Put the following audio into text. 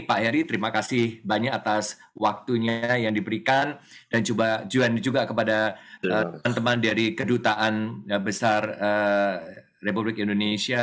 pak heri terima kasih banyak atas waktunya yang diberikan dan juga kepada teman teman dari kedutaan besar republik indonesia